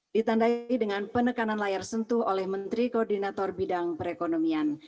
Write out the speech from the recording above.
ditandai dengan penekanan layar sentuh oleh menteri koordinator bidang perekonomian